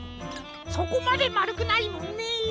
そこまでまるくないもんね。